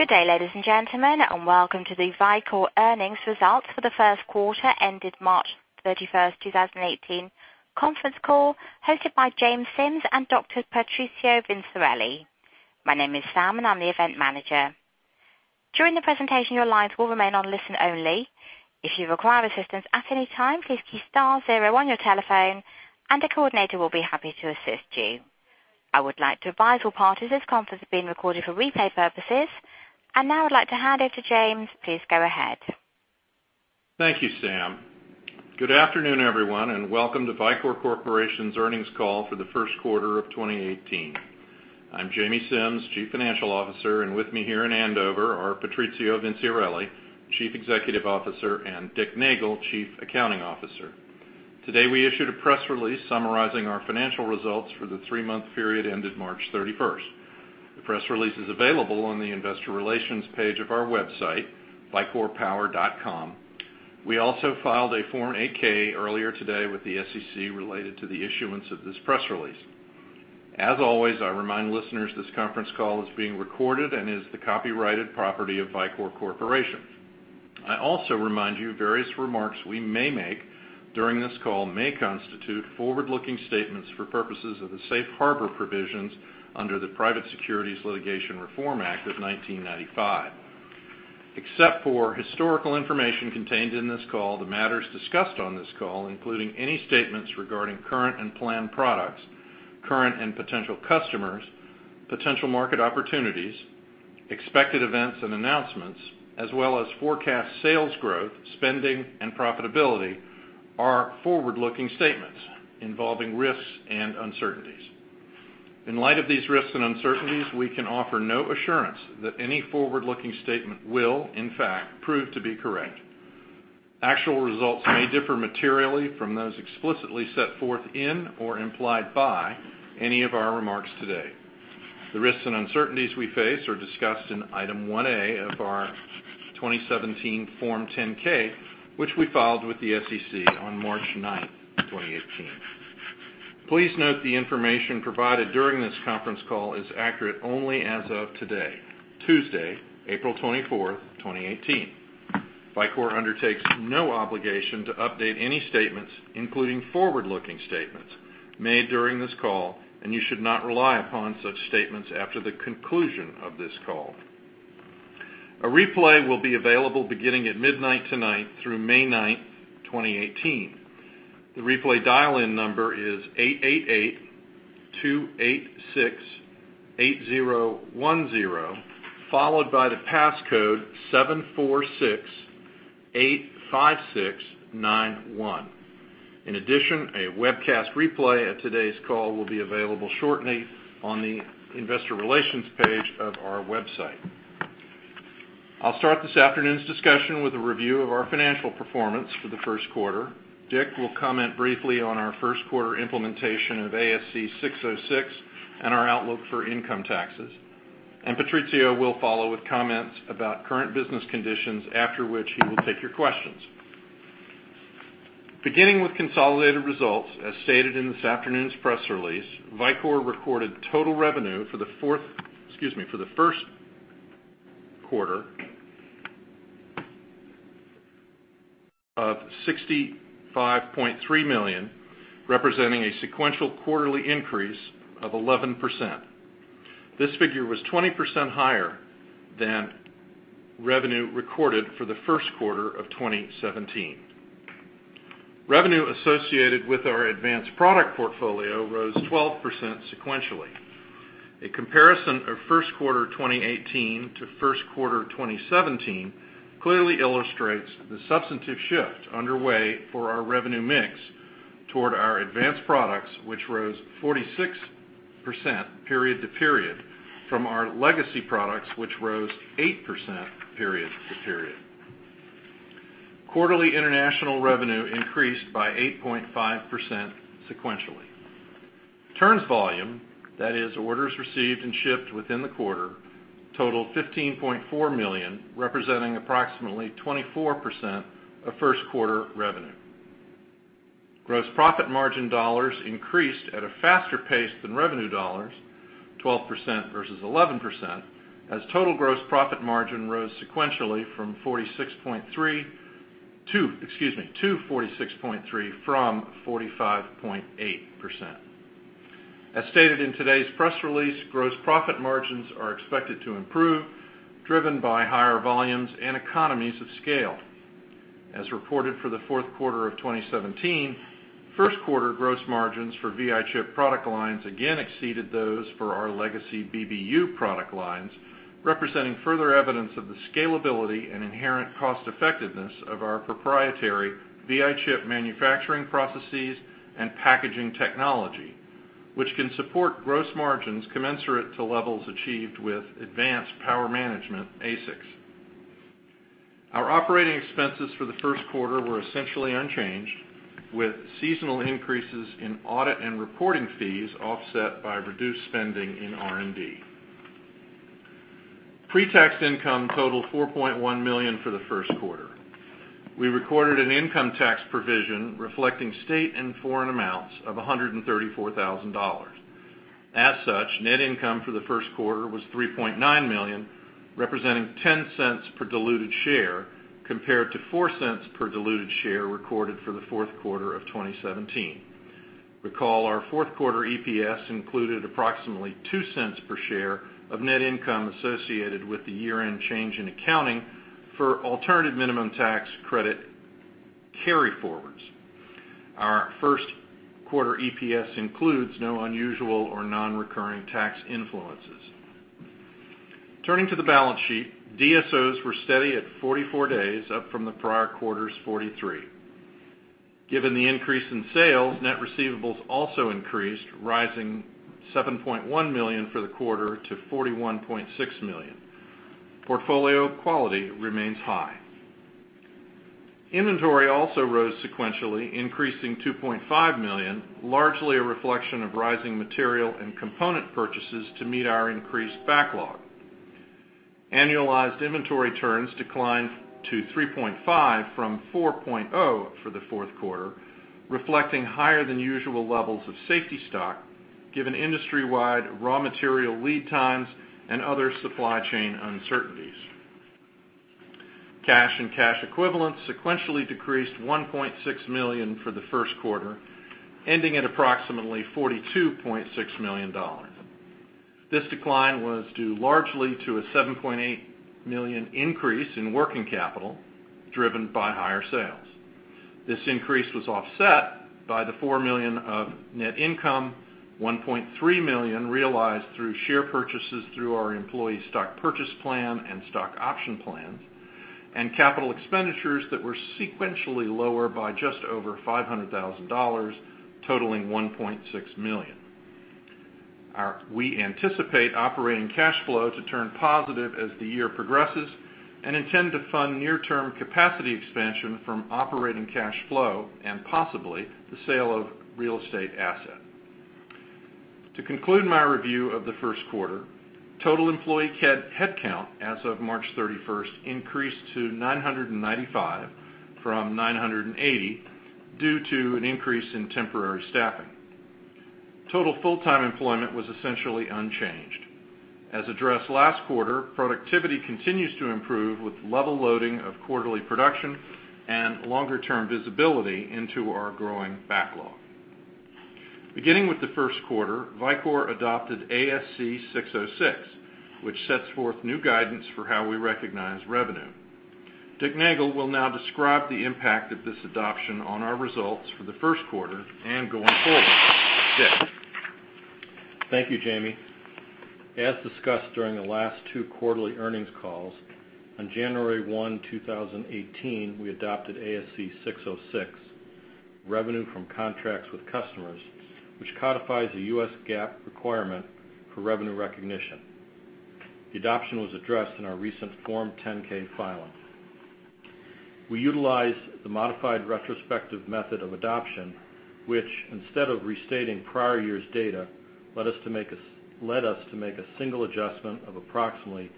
Good day, ladies and gentlemen, welcome to the Vicor earnings results for the first quarter ended March 31st, 2018 conference call hosted by James Simms and Dr. Patrizio Vinciarelli. My name is Sam, I'm the event manager. During the presentation, your lines will remain on listen only. If you require assistance at any time, please key star zero on your telephone and a coordinator will be happy to assist you. I would like to advise all parties this conference is being recorded for replay purposes. Now I'd like to hand over to James. Please go ahead. Thank you, Sam. Good afternoon, everyone, welcome to Vicor Corporation's earnings call for the first quarter of 2018. I'm Jamie Simms, Chief Financial Officer, with me here in Andover are Patrizio Vinciarelli, Chief Executive Officer, and Dick Nagel, Chief Accounting Officer. Today, we issued a press release summarizing our financial results for the three-month period ended March 31st. The press release is available on the investor relations page of our website, vicorpower.com. We also filed a Form 8-K earlier today with the SEC related to the issuance of this press release. As always, I remind listeners this conference call is being recorded and is the copyrighted property of Vicor Corporation. I also remind you various remarks we may make during this call may constitute forward-looking statements for purposes of the safe harbor provisions under the Private Securities Litigation Reform Act of 1995. Except for historical information contained in this call, the matters discussed on this call, including any statements regarding current and planned products, current and potential customers, potential market opportunities, expected events and announcements, as well as forecast sales growth, spending, and profitability, are forward-looking statements involving risks and uncertainties. In light of these risks and uncertainties, we can offer no assurance that any forward-looking statement will in fact prove to be correct. Actual results may differ materially from those explicitly set forth in or implied by any of our remarks today. The risks and uncertainties we face are discussed in Item 1A of our 2017 Form 10-K, which we filed with the SEC on March 9th, 2018. Please note the information provided during this conference call is accurate only as of today, Tuesday, April 24th, 2018. Vicor undertakes no obligation to update any statements, including forward-looking statements made during this call. You should not rely upon such statements after the conclusion of this call. A replay will be available beginning at midnight tonight through May 9th, 2018. The replay dial-in number is 888-286-8010, followed by the passcode 74685691. In addition, a webcast replay of today's call will be available shortly on the investor relations page of our website. I'll start this afternoon's discussion with a review of our financial performance for the first quarter. Dick will comment briefly on our first quarter implementation of ASC 606 and our outlook for income taxes. Patrizio will follow with comments about current business conditions, after which he will take your questions. Beginning with consolidated results, as stated in this afternoon's press release, Vicor recorded total revenue for the fourth, excuse me, for the first quarter of $65.3 million, representing a sequential quarterly increase of 11%. This figure was 20% higher than revenue recorded for the first quarter of 2017. Revenue associated with our advanced product portfolio rose 12% sequentially. A comparison of first quarter 2018 to first quarter 2017 clearly illustrates the substantive shift underway for our revenue mix toward our advanced products, which rose 46% period to period from our legacy products, which rose 8% period to period. Quarterly international revenue increased by 8.5% sequentially. Turns volume, that is, orders received and shipped within the quarter, totaled $15.4 million, representing approximately 24% of first quarter revenue. Gross profit margin dollars increased at a faster pace than revenue dollars, 12% versus 11%, as total gross profit margin rose sequentially to 46.3% from 45.8%. As stated in today's press release, gross profit margins are expected to improve, driven by higher volumes and economies of scale. As reported for the fourth quarter of 2017, first quarter gross margins for VI Chip product lines again exceeded those for our legacy BBU product lines, representing further evidence of the scalability and inherent cost-effectiveness of our proprietary VI Chip manufacturing processes and packaging technology, which can support gross margins commensurate to levels achieved with advanced power management ASICs. Our operating expenses for the first quarter were essentially unchanged, with seasonal increases in audit and reporting fees offset by reduced spending in R&D. Pre-tax income totaled $4.1 million for the first quarter. We recorded an income tax provision reflecting state and foreign amounts of $134,000. As such, net income for the first quarter was $3.9 million, representing $0.10 per diluted share, compared to $0.04 per diluted share recorded for the fourth quarter of 2017. Recall our fourth quarter EPS included approximately $0.02 per share of net income associated with the year-end change in accounting for alternative minimum tax credit carryforwards. Our first quarter EPS includes no unusual or non-recurring tax influences. Turning to the balance sheet, DSOs were steady at 44 days, up from the prior quarter's 43. Given the increase in sales, net receivables also increased, rising $7.1 million for the quarter to $41.6 million. Portfolio quality remains high. Inventory also rose sequentially, increasing $2.5 million, largely a reflection of rising material and component purchases to meet our increased backlog. Annualized inventory turns declined to 3.5 from 4.0 for the fourth quarter, reflecting higher than usual levels of safety stock given industry-wide raw material lead times and other supply chain uncertainties. Cash and cash equivalents sequentially decreased $1.6 million for the first quarter, ending at approximately $42.6 million. This decline was due largely to a $7.8 million increase in working capital, driven by higher sales. This increase was offset by the $4 million of net income, $1.3 million realized through share purchases through our employee stock purchase plan and stock option plans, and capital expenditures that were sequentially lower by just over $500,000, totaling $1.6 million. We anticipate operating cash flow to turn positive as the year progresses and intend to fund near-term capacity expansion from operating cash flow, and possibly the sale of real estate asset. To conclude my review of the first quarter, total employee headcount as of March 31st increased to 995 from 980 due to an increase in temporary staffing. Total full-time employment was essentially unchanged. As addressed last quarter, productivity continues to improve with level loading of quarterly production and longer-term visibility into our growing backlog. Beginning with the first quarter, Vicor adopted ASC 606, which sets forth new guidance for how we recognize revenue. Dick Nagel will now describe the impact of this adoption on our results for the first quarter and going forward. Dick? Thank you, Jamie. As discussed during the last two quarterly earnings calls, on January 1, 2018, we adopted ASC 606, revenue from contracts with customers, which codifies a U.S. GAAP requirement for revenue recognition. The adoption was addressed in our recent Form 10-K filing. We utilized the modified retrospective method of adoption, which instead of restating prior year's data, led us to make a single adjustment of approximately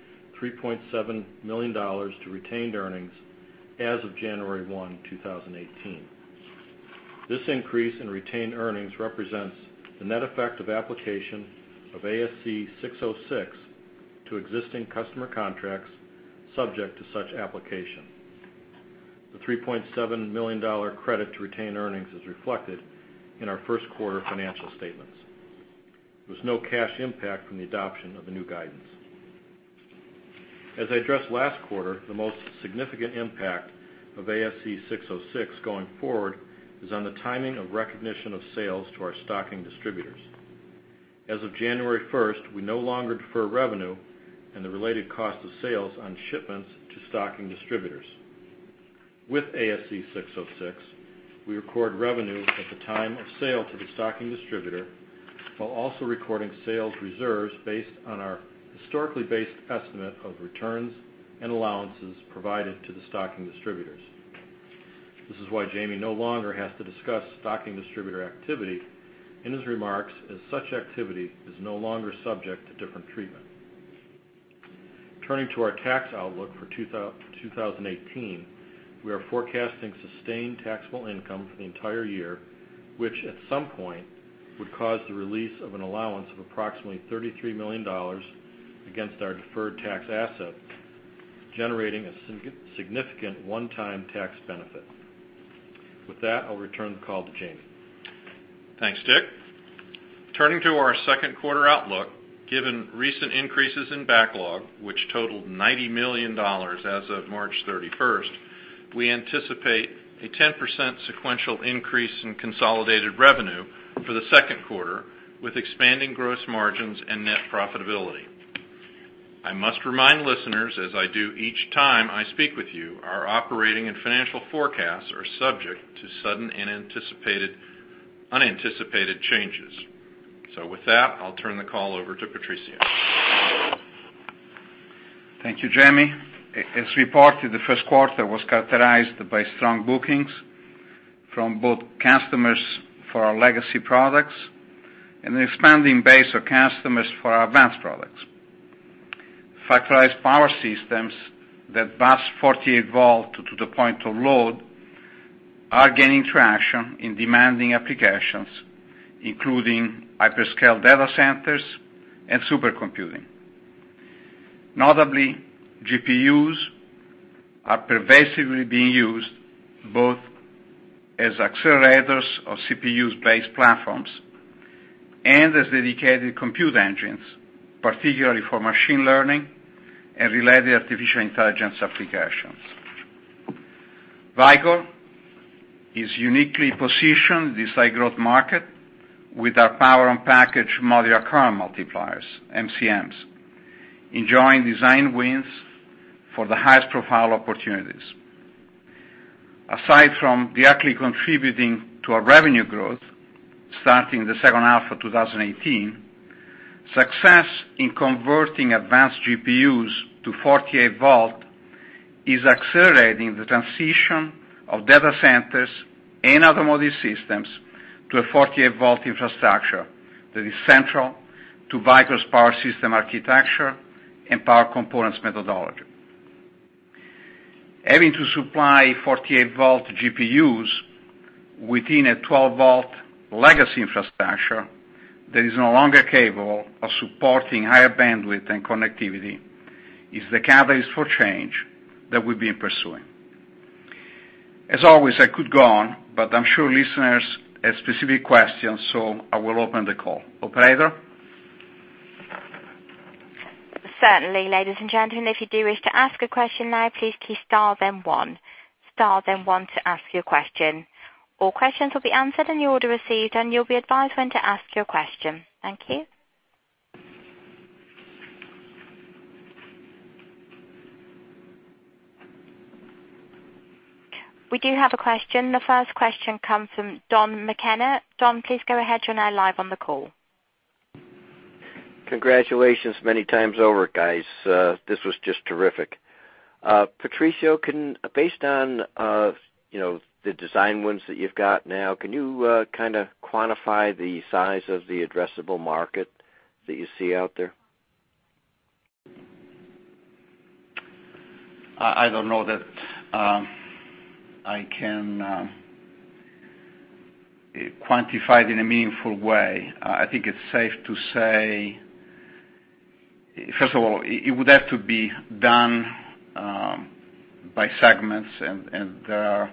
$3.7 million to retained earnings as of January 1, 2018. This increase in retained earnings represents the net effect of application of ASC 606 to existing customer contracts subject to such application. The $3.7 million credit to retained earnings is reflected in our first quarter financial statements. There was no cash impact from the adoption of the new guidance. As I addressed last quarter, the most significant impact of ASC 606 going forward is on the timing of recognition of sales to our stocking distributors. As of January 1st, we no longer defer revenue and the related cost of sales on shipments to stocking distributors. With ASC 606, we record revenue at the time of sale to the stocking distributor, while also recording sales reserves based on our historically based estimate of returns and allowances provided to the stocking distributors. This is why Jamie no longer has to discuss stocking distributor activity in his remarks, as such activity is no longer subject to different treatment. Turning to our tax outlook for 2018, we are forecasting sustained taxable income for the entire year, which at some point would cause the release of an allowance of approximately $33 million against our deferred tax asset, generating a significant one-time tax benefit. With that, I'll return the call to Jamie. Thanks, Dick. Turning to our second quarter outlook, given recent increases in backlog, which totaled $90 million as of March 31st, we anticipate a 10% sequential increase in consolidated revenue for the second quarter with expanding gross margins and net profitability. I must remind listeners, as I do each time I speak with you, our operating and financial forecasts are subject to sudden and unanticipated changes. With that, I'll turn the call over to Patrizio. Thank you, Jamie. As reported, the first quarter was characterized by strong bookings from both customers for our legacy products and an expanding base of customers for our VADS products. Factorized power systems that bus 48 volt to the point of load are gaining traction in demanding applications, including hyperscale data centers and supercomputing. Notably, GPUs are pervasively being used both as accelerators of CPU-based platforms and as dedicated compute engines, particularly for machine learning and related artificial intelligence applications. Vicor is uniquely positioned in this high-growth market with our Power-on-Package modular current multipliers, MCMs, enjoying design wins for the highest-profile opportunities. Aside from directly contributing to our revenue growth, starting the second half of 2018, success in converting advanced GPUs to 48 volt is accelerating the transition of data centers and automotive systems to a 48-volt infrastructure that is central to Vicor's power system architecture and power components methodology. Having to supply 48-volt GPUs within a 12-volt legacy infrastructure that is no longer capable of supporting higher bandwidth and connectivity is the catalyst for change that we've been pursuing. As always, I could go on, but I'm sure listeners have specific questions. I will open the call. Operator? Certainly. Ladies and gentlemen, if you do wish to ask a question now, please key star then one. Star then one to ask your question. All questions will be answered in the order received, and you'll be advised when to ask your question. Thank you. We do have a question. The first question comes from Don McKenna. Don, please go ahead. You're now live on the call. Congratulations many times over, guys. This was just terrific. Patrizio, based on the design wins that you've got now, can you quantify the size of the addressable market that you see out there? I don't know that I can quantify it in a meaningful way. I think it's safe to say, first of all, it would have to be done by segments. There are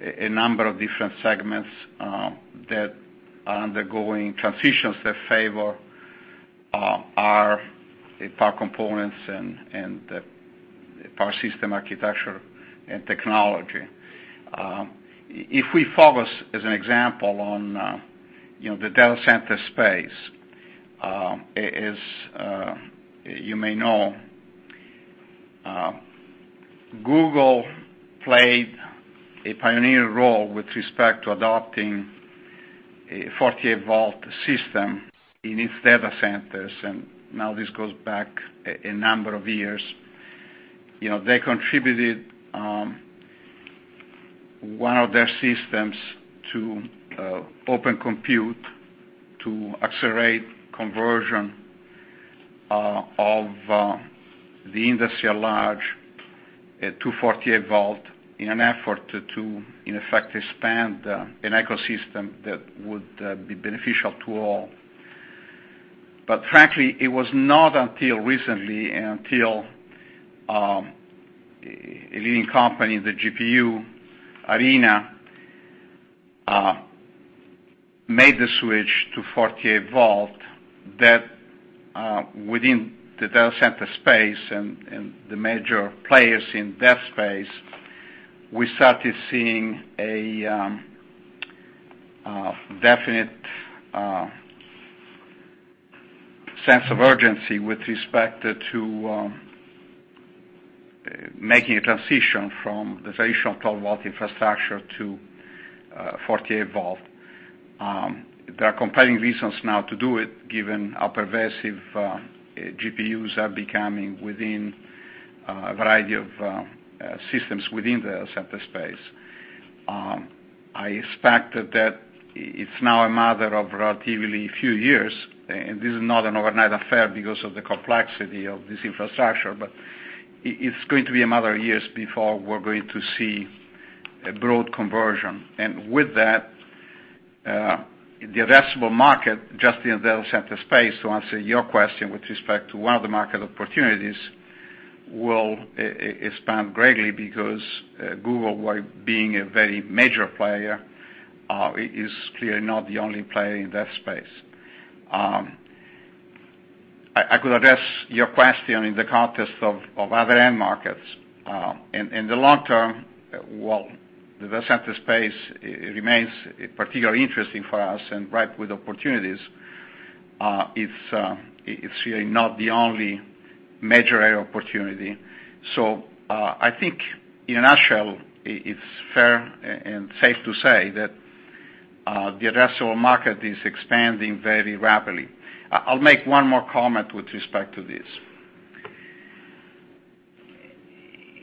a number of different segments that are undergoing transitions that favor our power components and the power system architecture and technology. If we focus as an example on the data center space, as you may know, Google played a pioneer role with respect to adopting a 48-volt system in its data centers. Now this goes back a number of years. They contributed one of their systems to Open Compute to accelerate conversion of the industry at large to 48 volt in an effort to, in effect, expand an ecosystem that would be beneficial to all. Frankly, it was not until recently and until a leading company in the GPU arena made the switch to 48 volt that within the data center space and the major players in that space, we started seeing a definite sense of urgency with respect to making a transition from the traditional 12-volt infrastructure to 48 volt. There are compelling reasons now to do it, given how pervasive GPUs are becoming within a variety of systems within the data center space. I expect that it's now a matter of relatively few years. This is not an overnight affair because of the complexity of this infrastructure. It's going to be a matter of years before we're going to see a broad conversion. With that, the addressable market, just in the data center space, to answer your question with respect to one of the market opportunities, will expand greatly because Google, while being a very major player, is clearly not the only player in that space. I could address your question in the context of other end markets. In the long term, while the data center space remains particularly interesting for us and ripe with opportunities, it's clearly not the only major opportunity. I think in a nutshell, it's fair and safe to say that the addressable market is expanding very rapidly. I'll make one more comment with respect to this.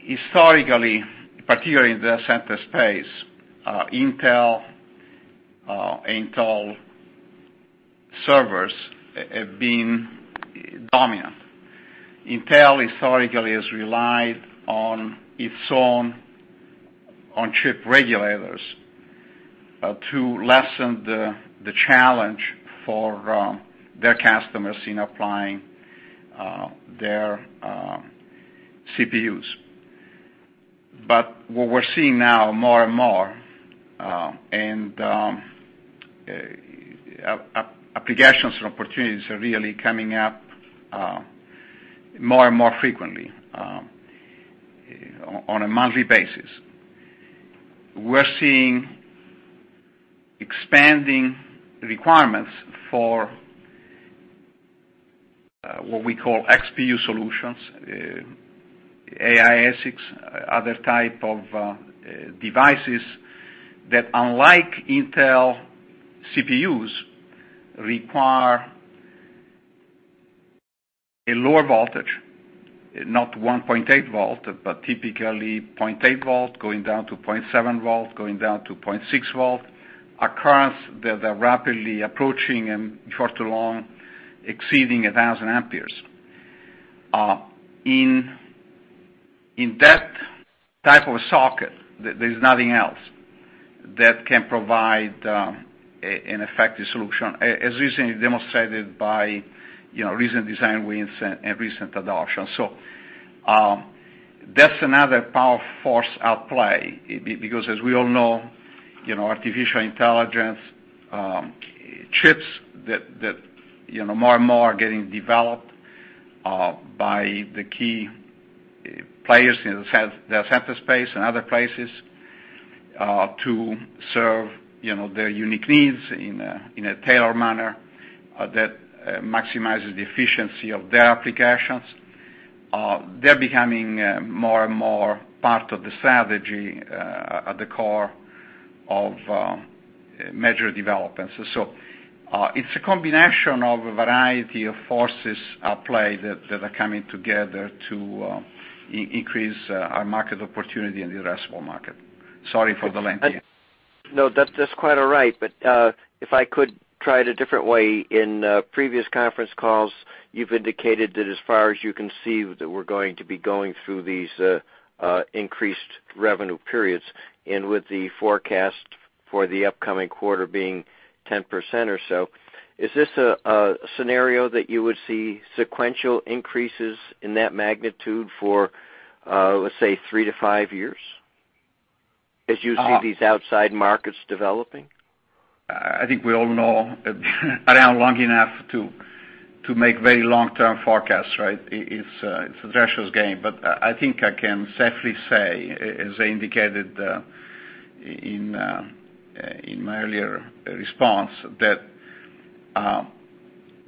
Historically, particularly in the data center space, Intel servers have been dominant. Intel historically has relied on its own on-chip regulators to lessen the challenge for their customers in applying their CPUs. What we're seeing now more and more, applications and opportunities are really coming up more and more frequently, on a monthly basis. We're seeing expanding requirements for what we call XPU solutions, AI ASICs, other type of devices that, unlike Intel CPUs, require a lower voltage, not 1.8 volt, but typically 0.8 volt, going down to 0.7 volt, going down to 0.6 volt, are currents that are rapidly approaching, and short to long, exceeding 1,000 amperes. In that type of a socket, there's nothing else that can provide an effective solution, as recently demonstrated by recent design wins and recent adoption. That's another powerful force at play, because as we all know, artificial intelligence chips that more and more are getting developed by the key players in the data center space and other places to serve their unique needs in a tailored manner that maximizes the efficiency of their applications. They're becoming more and more part of the strategy at the core of major developments. It's a combination of a variety of forces at play that are coming together to increase our market opportunity in the addressable market. Sorry for the length. No, that's quite all right. If I could try it a different way. In previous conference calls, you've indicated that as far as you can see, that we're going to be going through these increased revenue periods, and with the forecast for the upcoming quarter being 10% or so. Is this a scenario that you would see sequential increases in that magnitude for, let's say, three to five years as you see these outside markets developing? I think we all know around long enough to make very long-term forecasts, right? It's a treacherous game. I think I can safely say, as I indicated in my earlier response, that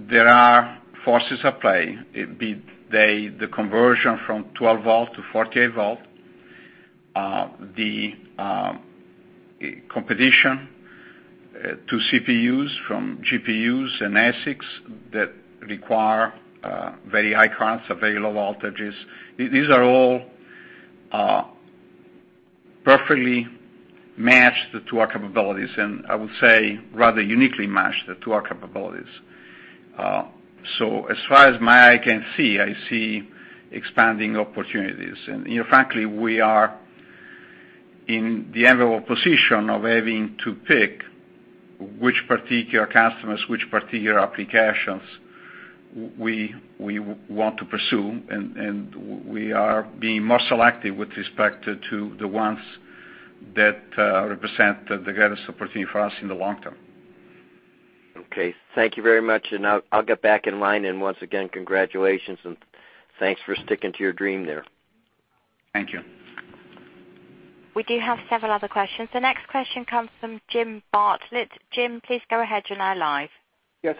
there are forces at play, be they the conversion from 12 volt to 48 volt, the competition to CPUs from GPUs and ASICs that require very high currents or very low voltages. These are all perfectly matched to our capabilities, and I would say rather uniquely matched to our capabilities. As far as my eye can see, I see expanding opportunities. Frankly, we are in the enviable position of having to pick which particular customers, which particular applications we want to pursue, and we are being more selective with respect to the ones that represent the greatest opportunity for us in the long term. Okay. Thank you very much, I'll get back in line. Once again, congratulations and thanks for sticking to your dream there. Thank you. We do have several other questions. The next question comes from Jim Bartlett. Jim, please go ahead. You're now live. Yes.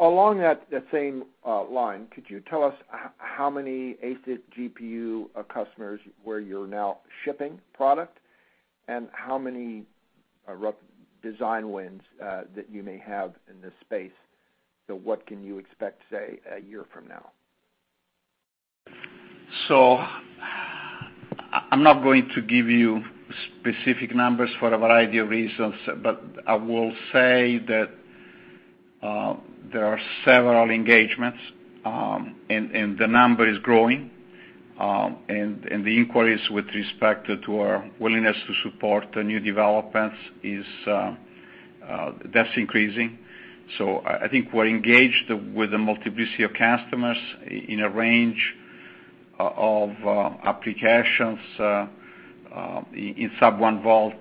Along that same line, could you tell us how many ASIC GPU customers where you're now shipping product, and how many design wins that you may have in this space? What can you expect, say, a year from now? I'm not going to give you specific numbers for a variety of reasons, but I will say that there are several engagements, and the number is growing. The inquiries with respect to our willingness to support new developments, that's increasing. I think we're engaged with a multiplicity of customers in a range of applications in sub-one volt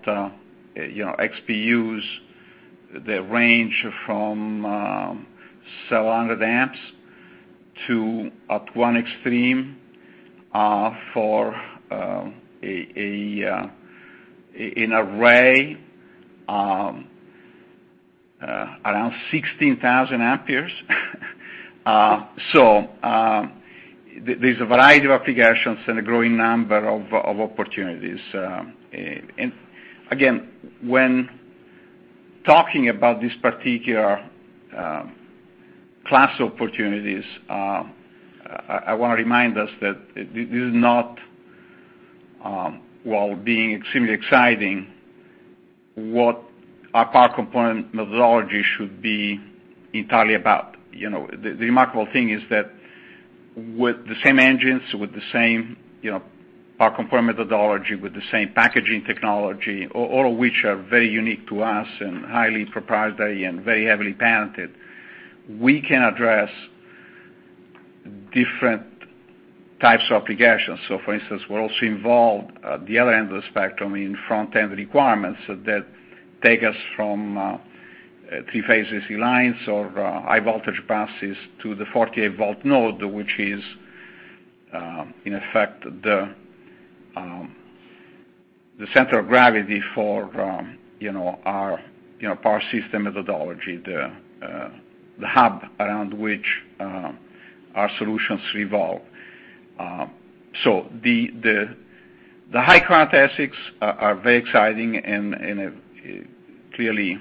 XPUs that range from 700 amps to, at one extreme, for an array around 16,000 amperes. There's a variety of applications and a growing number of opportunities. Again, talking about this particular class of opportunities, I want to remind us that this is not, while being extremely exciting, what our power component methodology should be entirely about. The remarkable thing is that with the same engines, with the same power component methodology, with the same packaging technology, all of which are very unique to us and highly proprietary and very heavily patented, we can address different types of applications. For instance, we're also involved at the other end of the spectrum in front-end requirements that take us from 3-phase AC lines or high voltage buses to the 48-volt node, which is, in effect, the center of gravity for our power system methodology, the hub around which our solutions revolve. The high current assets are very exciting and a clearly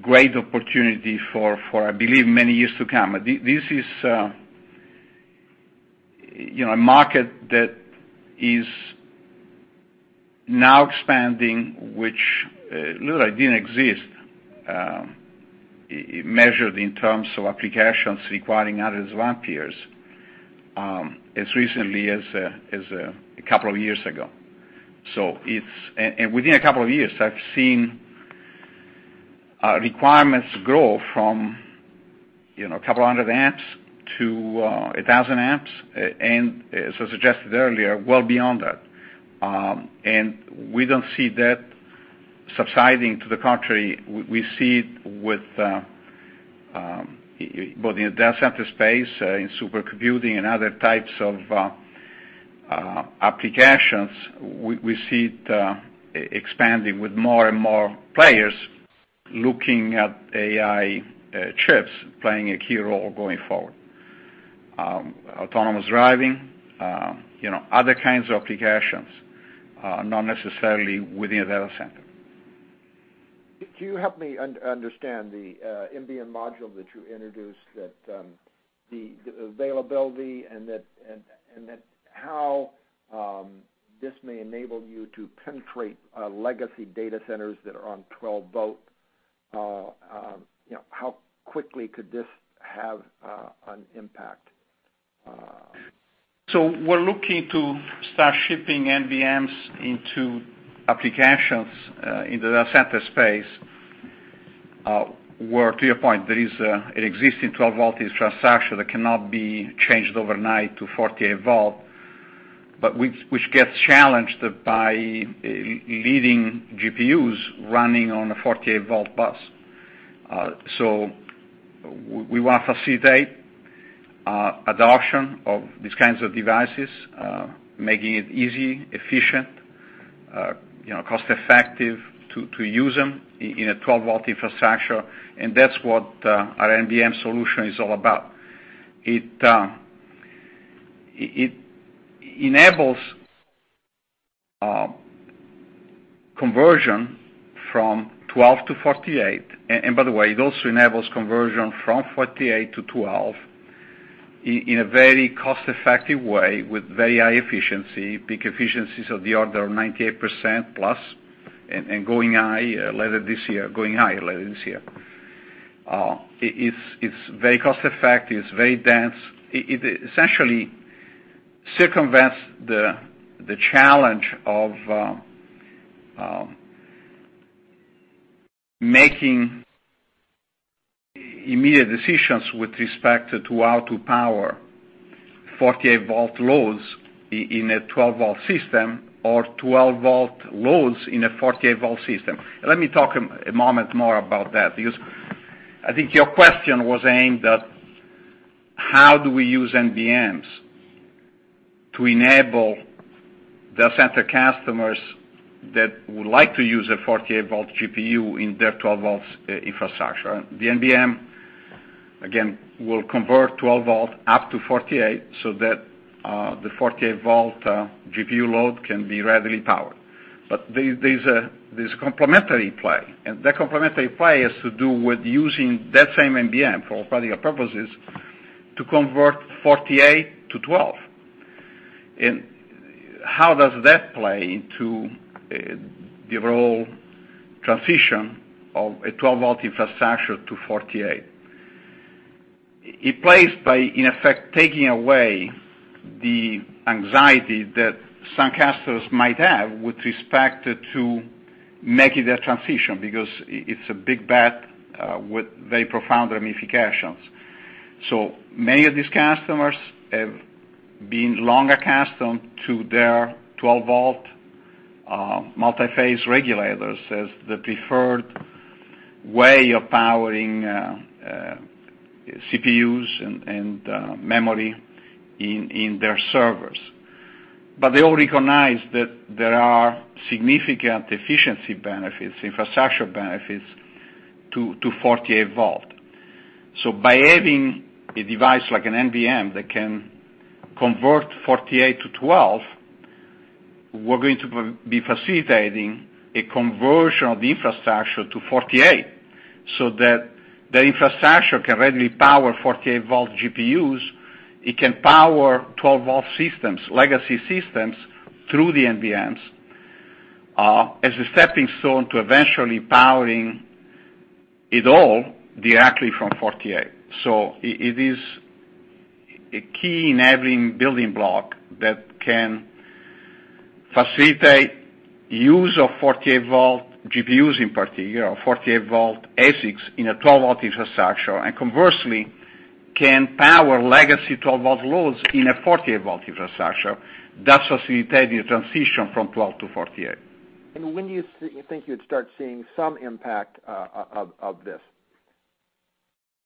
great opportunity for, I believe, many years to come. This is a market that is now expanding, which literally didn't exist, measured in terms of applications requiring hundreds of amperes, as recently as a couple of years ago. Within a couple of years, I've seen requirements grow from a couple of hundred amps to 1,000 amps, and as I suggested earlier, well beyond that. We don't see that subsiding. To the contrary, we see it with both in the data center space, in supercomputing, and other types of applications, we see it expanding with more and more players looking at AI chips playing a key role going forward. Autonomous driving, other kinds of applications, not necessarily within a data center. Could you help me understand the NBM module that you introduced, that the availability and how this may enable you to penetrate legacy data centers that are on 12 volt? How quickly could this have an impact? We're looking to start shipping NBMs into applications in the data center space, where to your point, there is an existing 12-volt infrastructure that cannot be changed overnight to 48-volt, but which gets challenged by leading GPUs running on a 48-volt bus. We want to facilitate adoption of these kinds of devices, making it easy, efficient, cost-effective to use them in a 12-volt infrastructure, and that's what our NBM solution is all about. It enables conversion from 12 to 48, and by the way, it also enables conversion from 48 to 12, in a very cost-effective way with very high efficiency, peak efficiencies of the order of 98% plus, and going higher later this year. It's very cost-effective. It's very dense. It essentially circumvents the challenge of making immediate decisions with respect to how to power 48-volt loads in a 12-volt system, or 12-volt loads in a 48-volt system. Let me talk a moment more about that, because I think your question was aimed at how do we use NBMs to enable data center customers that would like to use a 48-volt GPU in their 12-volt infrastructure. The NBM, again, will convert 12-volt up to 48-volt, so that the 48-volt GPU load can be readily powered. There's a complementary play, and that complementary play is to do with using that same NBM, for all practical purposes, to convert 48 to 12. How does that play into the role transition of a 12-volt infrastructure to 48? It plays by, in effect, taking away the anxiety that some customers might have with respect to making that transition, because it's a big bet with very profound ramifications. Many of these customers have been long accustomed to their 12-volt multi-phase regulators as the preferred way of powering CPUs and memory in their servers. They all recognize that there are significant efficiency benefits, infrastructure benefits to 48-volt. By having a device like an NBM that can convert 48 to 12, we're going to be facilitating a conversion of the infrastructure to 48, so that the infrastructure can readily power 48-volt GPUs. It can power 12-volt systems, legacy systems, through the NBMs, as a stepping stone to eventually powering it all directly from 48. It is a key enabling building block that can facilitate use of 48-volt GPUs in particular, or 48-volt ASICs in a 12-volt infrastructure, and conversely, can power legacy 12-volt loads in a 48-volt infrastructure thus facilitating a transition from 12 to 48. When do you think you'd start seeing some impact of this?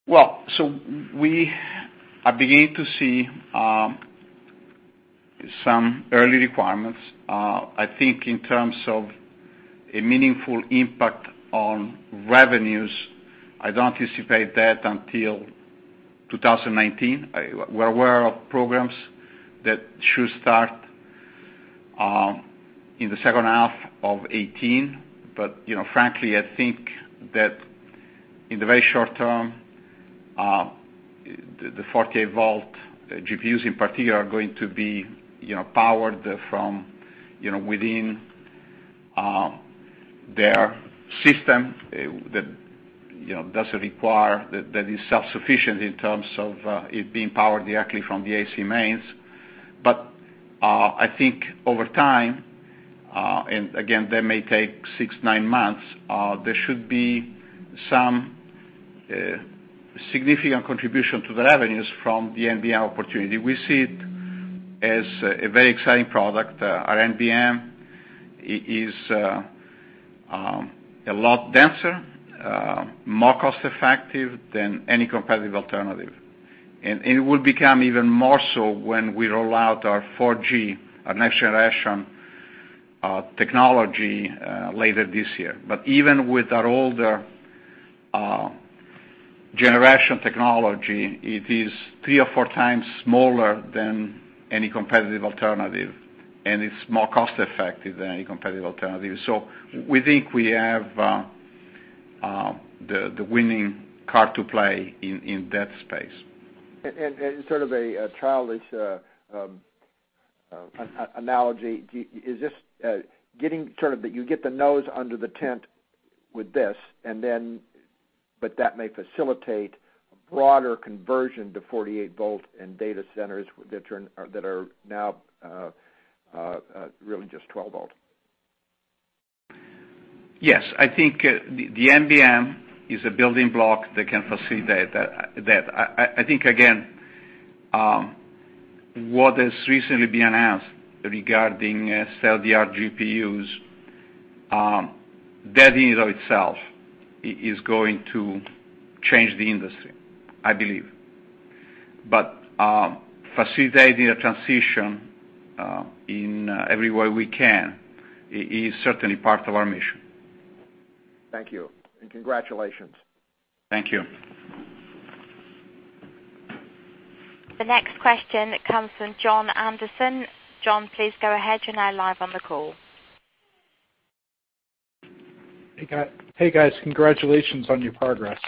We are beginning to see some early requirements. I think in terms of a meaningful impact on revenues, I don't anticipate that until 2019. We're aware of programs that should start in the second half of 2018, frankly, I think that in the very short term, the 48 volt GPUs in particular are going to be powered from within their system that is self-sufficient in terms of it being powered directly from the AC mains. I think over time, and again, that may take six, nine months, there should be some significant contribution to the revenues from the NBM opportunity. We see it as a very exciting product. Our NBM is a lot denser, more cost-effective than any competitive alternative. It will become even more so when we roll out our 4G, our next-generation technology later this year. Even with our older generation technology, it is three or four times smaller than any competitive alternative, and it's more cost-effective than any competitive alternative. We think we have the winning card to play in that space. Sort of a childish analogy, you get the nose under the tent with this, but that may facilitate a broader conversion to 48 volt in data centers that are now really just 12 volt. Yes. I think the NBM is a building block that can facilitate that. I think, again, what has recently been announced regarding SLI or GPUs, that in and of itself is going to change the industry, I believe. Facilitating a transition in every way we can is certainly part of our mission. Thank you, and congratulations. Thank you. The next question comes from Jon Anderson. Jon, please go ahead. You're now live on the call. Hey, guys. Congratulations on your progress.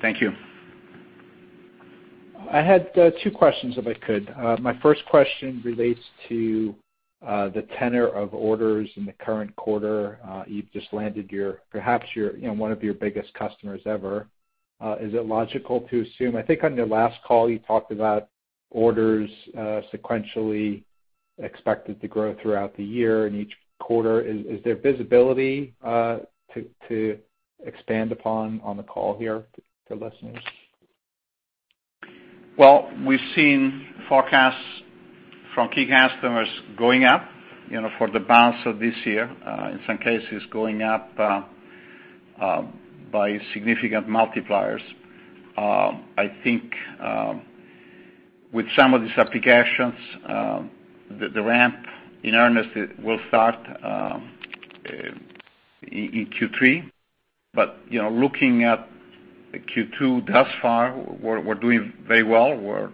Thank you. I had two questions, if I could. My first question relates to the tenor of orders in the current quarter. You've just landed perhaps one of your biggest customers ever. Is it logical to assume, I think on your last call, you talked about orders sequentially expected to grow throughout the year and each quarter? Is there visibility to expand upon on the call here for listeners? We've seen forecasts from key customers going up for the balance of this year, in some cases going up by significant multipliers. I think with some of these applications, the ramp in earnest will start in Q3. Looking at Q2 thus far, we're doing very well. We're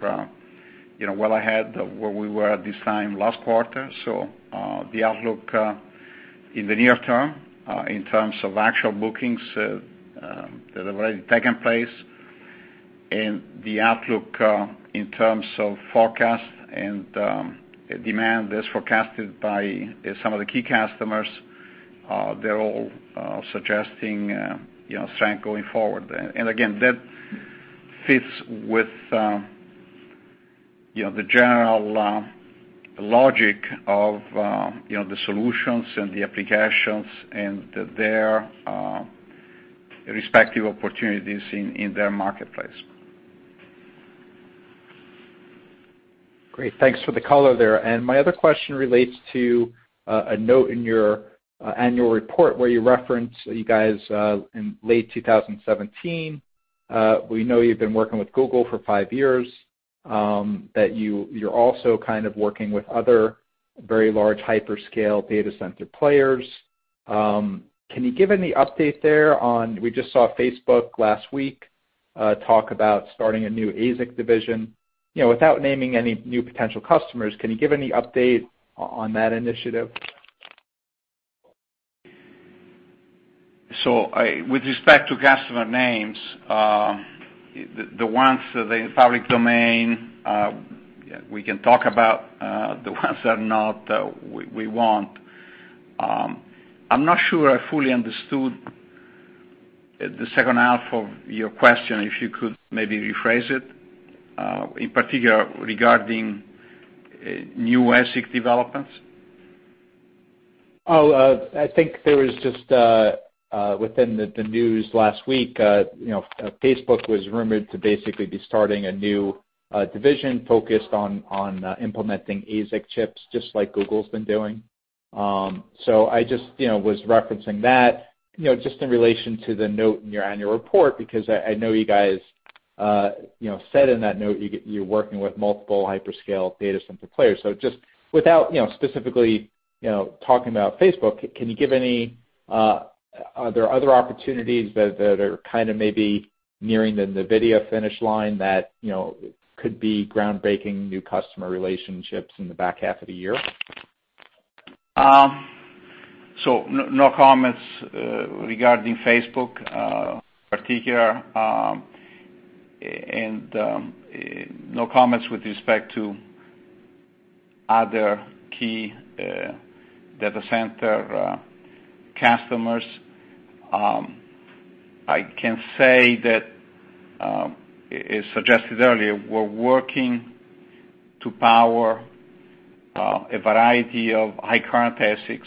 well ahead of where we were at this time last quarter. The outlook in the near term, in terms of actual bookings that have already taken place and the outlook in terms of forecast and demand that's forecasted by some of the key customers, they're all suggesting strength going forward. Again, that fits with the general logic of the solutions and the applications and their respective opportunities in their marketplace. Great. Thanks for the color there. My other question relates to a note in your annual report where you reference you guys in late 2017. We know you've been working with Google for five years, that you're also kind of working with other very large hyperscale data center players. Can you give any update there on, we just saw Facebook last week talk about starting a new ASIC division. Without naming any new potential customers, can you give any update on that initiative? With respect to customer names, the ones in the public domain we can talk about, the ones that are not, we won't. I'm not sure I fully understood the second half of your question, if you could maybe rephrase it, in particular regarding new ASIC developments. I think there was just within the news last week, Facebook was rumored to basically be starting a new division focused on implementing ASIC chips just like Google's been doing. I just was referencing that just in relation to the note in your annual report, because I know you guys said in that note you're working with multiple hyperscale data center players. Just without specifically talking about Facebook, are there other opportunities that are kind of maybe nearing the NVIDIA finish line that could be groundbreaking new customer relationships in the back half of the year? No comments regarding Facebook in particular, and no comments with respect to other key data center customers. I can say that, as suggested earlier, we're working to power a variety of high current ASICs.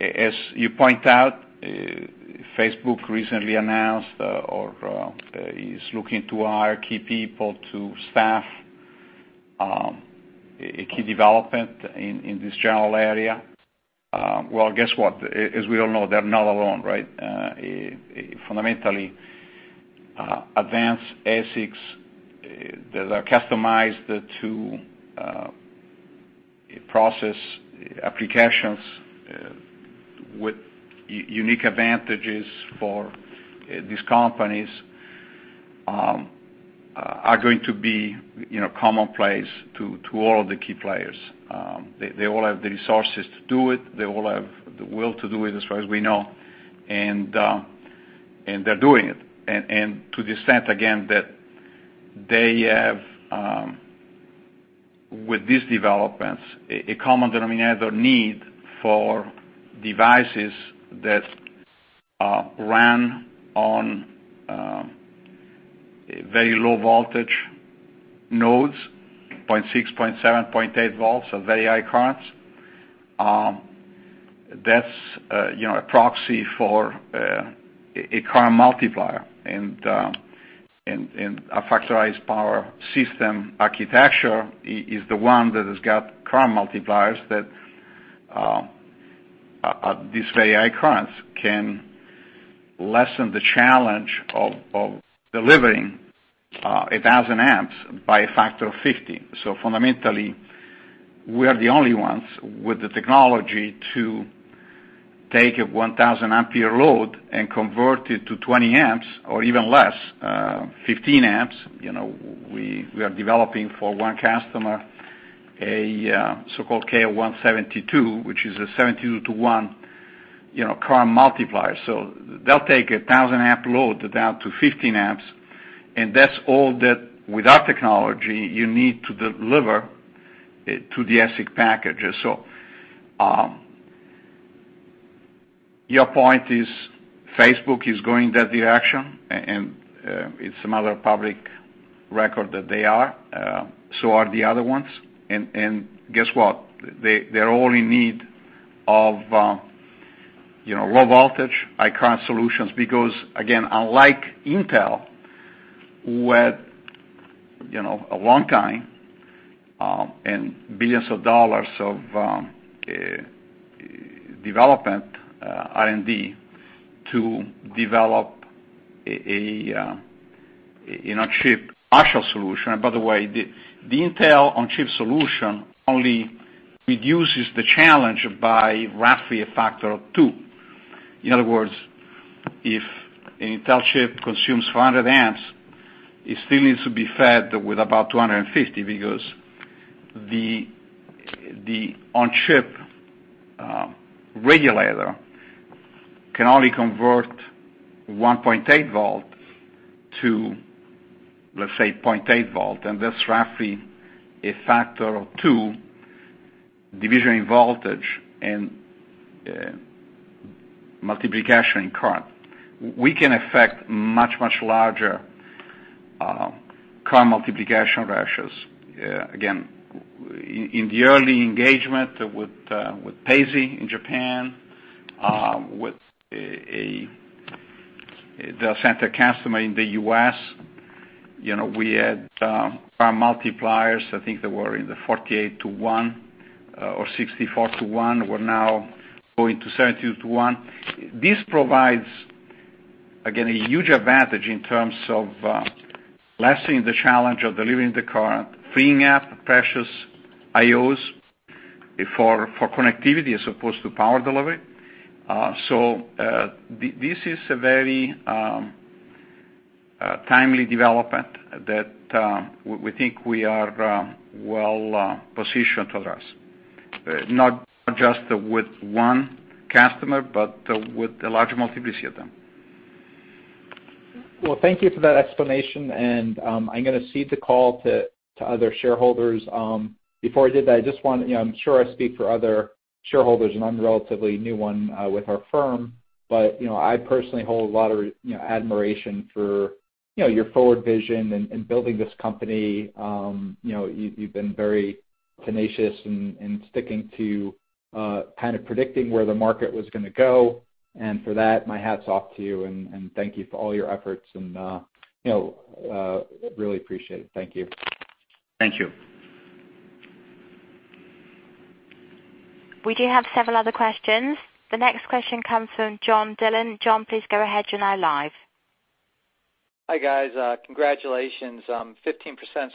As you point out, Facebook recently announced, or is looking to hire key people to staff a key development in this general area. Well, guess what? As we all know, they're not alone, right? Fundamentally, advanced ASICs that are customized to process applications with unique advantages for these companies are going to be commonplace to all of the key players. They all have the resources to do it. They all have the will to do it, as far as we know, and they're doing it. To the extent, again, that they have with these developments, a common denominator need for devices that run on very low voltage nodes, 0.6, 0.7, 0.8 volts of very high currents. That's a proxy for a current multiplier. A factorized power system architecture is the one that has got current multipliers that these very high currents can lessen the challenge of delivering 1,000 amps by a factor of 50. Fundamentally, we are the only ones with the technology to take a 1,000 ampere load and convert it to 20 amps or even less, 15 amps. We are developing for one customer a so-called KO 172, which is a 72-to-1 current multiplier. They'll take 1,000 amp load down to 15 amps, and that's all that, with our technology, you need to deliver to the ASIC packages. Your point is, Facebook is going that direction, and it's another public record that they are. Are the other ones. Guess what? They're all in need of low voltage, high current solutions because, again, unlike Intel, who had a long time and billions of dollars of development R&D to develop a chip partial solution. By the way, the Intel on-chip solution only reduces the challenge by roughly a factor of two. In other words, if an Intel chip consumes 400 amps, it still needs to be fed with about 250 because the on-chip regulator can only convert 1.8 volt to, let's say, 0.8 volt. That's roughly a factor of two division in voltage and multiplication in current. We can affect much, much larger current multiplication ratios. Again, in the early engagement with PEZY in Japan, with a data center customer in the U.S., we had current multipliers, I think they were in the 48-to-1 or 64-to-1, we're now going to 72-to-1. This provides, again, a huge advantage in terms of lessening the challenge of delivering the current, freeing up precious I/Os for connectivity as opposed to power delivery. This is a very timely development that we think we are well-positioned to address, not just with one customer, but with a large multiplicity of them. Thank you for that explanation, I'm going to cede the call to other shareholders. Before I did that, I'm sure I speak for other shareholders, and I'm a relatively new one with our firm, I personally hold a lot of admiration for your forward vision in building this company. You've been very tenacious in sticking to kind of predicting where the market was going to go. For that, my hat's off to you, thank you for all your efforts, really appreciate it. Thank you. Thank you. We do have several other questions. The next question comes from John Dillon. John, please go ahead. You're now live. Hi, guys. Congratulations. 15%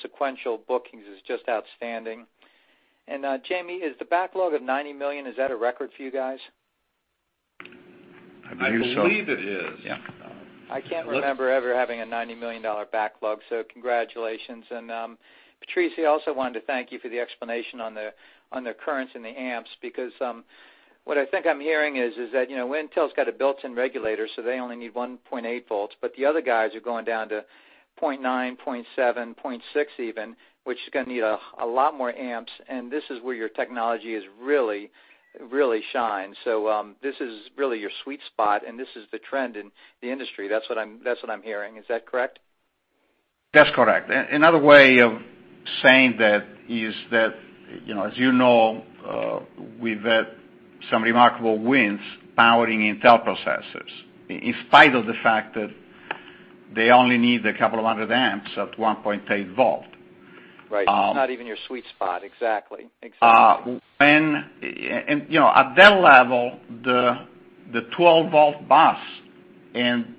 sequential bookings is just outstanding. Jamie, is the backlog of $90 million, is that a record for you guys? I believe so. I believe it is. Yeah. I can't remember ever having a $90 million backlog, so congratulations. Patrizio, also wanted to thank you for the explanation on the currents and the amps, because what I think I'm hearing is that Intel's got a built-in regulator, they only need 1.8 volts, the other guys are going down to 0.9, 0.7, 0.6 even, which is going to need a lot more amps, and this is where your technology really shines. This is really your sweet spot, and this is the trend in the industry. That's what I'm hearing. Is that correct? That's correct. Another way of saying that is that as you know, we've had some remarkable wins powering Intel processors, in spite of the fact that they only need a couple of hundred amps at 1.8 volt. Right. It's not even your sweet spot. Exactly. At that level, the 12-volt bus and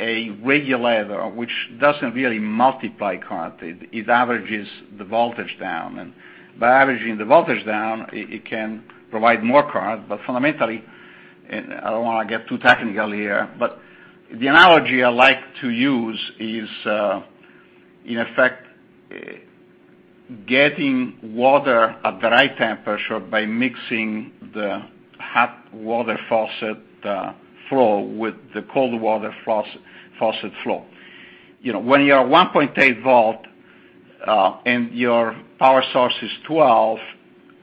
a regulator, which doesn't really multiply current, it averages the voltage down. By averaging the voltage down, it can provide more current. Fundamentally, I don't want to get too technical here, but the analogy I like to use is, in effect, getting water at the right temperature by mixing the hot water faucet flow with the cold water faucet flow. When you're at 1.8 volt, and your power source is 12,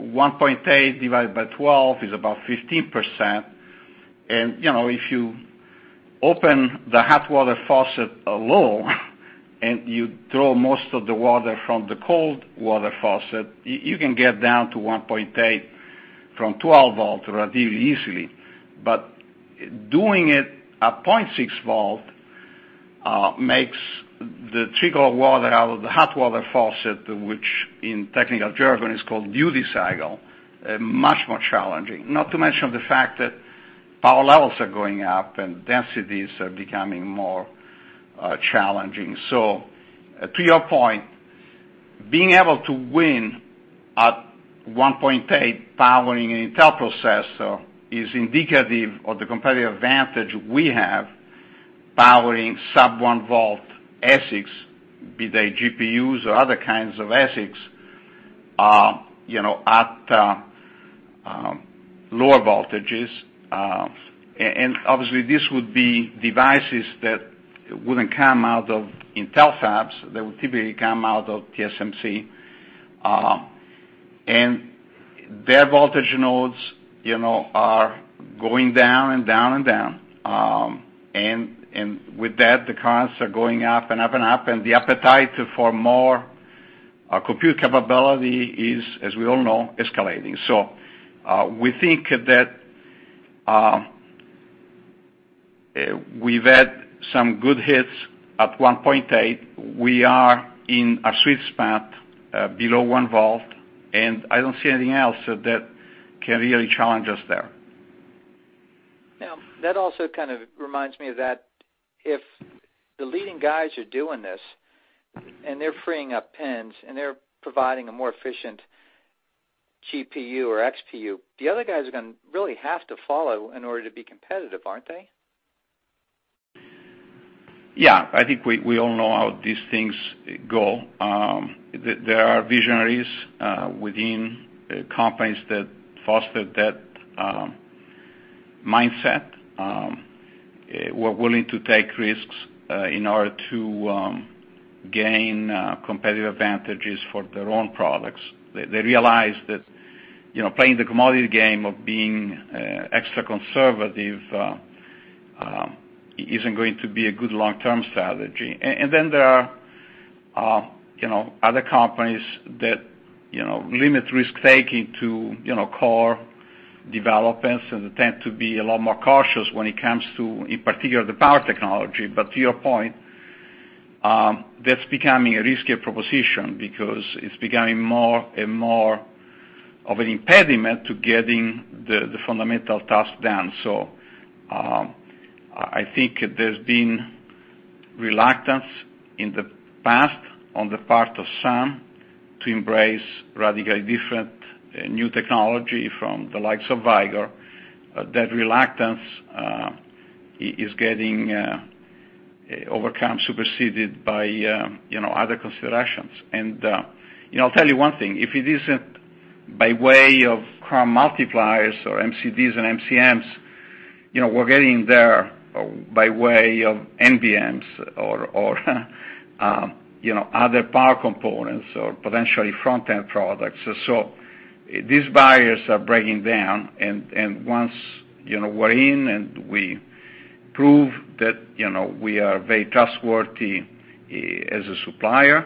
1.8 divided by 12 is about 15%. If you open the hot water faucet low, and you draw most of the water from the cold water faucet, you can get down to 1.8 from 12 volt relatively easily. Doing it at 0.6 volt, makes the trickle of water out of the hot water faucet, which in technical jargon is called duty cycle, much more challenging. Not to mention the fact that power levels are going up and densities are becoming more challenging. To your point, being able to win at 1.8 powering an Intel processor is indicative of the competitive advantage we have powering sub one volt ASICs, be they GPUs or other kinds of ASICs, at lower voltages. Obviously, these would be devices that wouldn't come out of Intel fabs. They would typically come out of TSMC. Their voltage nodes are going down and down and down. With that, the currents are going up and up. The appetite for more compute capability is, as we all know, escalating. We think that we've had some good hits at 1.8. We are in our sweet spot below one volt, and I don't see anything else that can really challenge us there. That also kind of reminds me that if the leading guys are doing this, and they're freeing up pins and they're providing a more efficient GPU or XPU, the other guys are going to really have to follow in order to be competitive, aren't they? Yeah. I think we all know how these things go. There are visionaries within companies that foster that mindset, who are willing to take risks, in order to gain competitive advantages for their own products. They realize that playing the commodity game of being extra conservative isn't going to be a good long-term strategy. Then there are other companies that limit risk-taking to core developments and tend to be a lot more cautious when it comes to, in particular, the power technology. To your point- That's becoming a riskier proposition because it's becoming more and more of an impediment to getting the fundamental task done. I think there's been reluctance in the past on the part of some to embrace radically different new technology from the likes of Vicor. That reluctance is getting overcome, superseded by other considerations. I'll tell you one thing, if it isn't by way of current multipliers or MCDs and MCMs, we're getting there by way of NBMs or other power components or potentially front-end products. These barriers are breaking down, and once we're in and we prove that we are very trustworthy as a supplier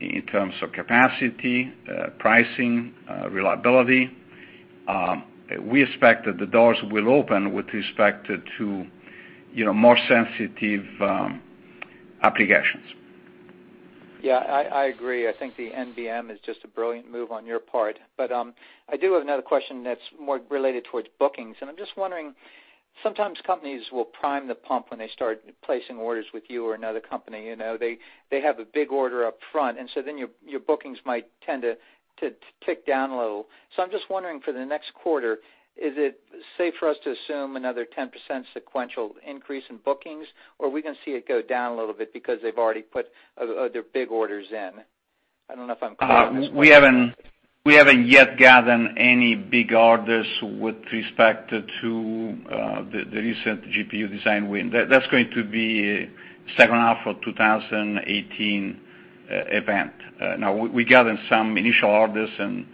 in terms of capacity, pricing, reliability, we expect that the doors will open with respect to more sensitive applications. Yeah, I agree. I think the NBM is just a brilliant move on your part. I do have another question that's more related towards bookings, and I'm just wondering, sometimes companies will prime the pump when they start placing orders with you or another company. They have a big order up front, your bookings might tend to tick down a little. I'm just wondering for the next quarter, is it safe for us to assume another 10% sequential increase in bookings? Are we going to see it go down a little bit because they've already put their big orders in? I don't know if I'm clear on this point. We haven't yet gotten any big orders with respect to the recent GPU design win. That's going to be second half of 2018 event. We've gotten some initial orders and